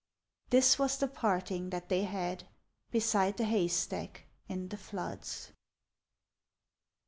This was the parting that they had Beside the haystack in the floods.